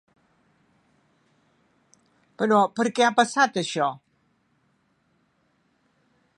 Però per què ha passat això?